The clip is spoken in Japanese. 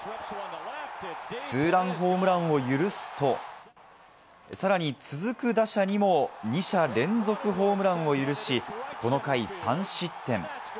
ツーランホームランを許すと、さらに続く打者にも２者連続ホームランを許し、この回３失点。